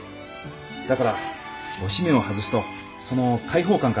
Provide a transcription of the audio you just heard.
だからおしめを外すとその解放感から。